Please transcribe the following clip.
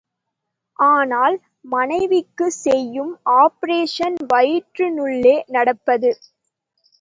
ஆனால் மனைவிக்குச் செய்யும் ஆப்பரேஷன் வயிற்றினுள்ளே நடப்பது.